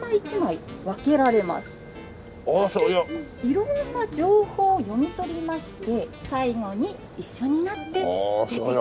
色んな情報を読み取りまして最後に一緒になって出てくる。